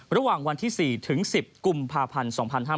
ระหว่างวันที่๔ถึง๑๐กุมภาพันธ์๒๕๕๙